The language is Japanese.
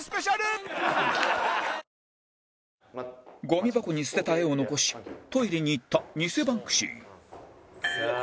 ゴミ箱に捨てた画を残しトイレに行った偽バンクシー